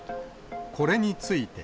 これについて。